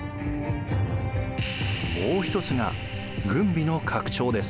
もう一つが軍備の拡張です。